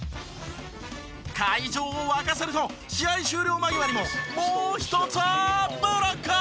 会場を沸かせると試合終了間際にももう一つブロック！